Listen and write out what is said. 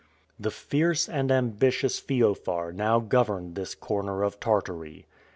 The fierce and ambitious Feofar now governed this corner of Tartary.